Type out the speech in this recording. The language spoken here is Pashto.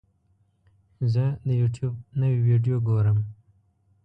زه د یوټیوب نوې ویډیو ګورم.